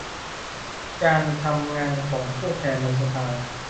การทำงานของผู้แทนในสภา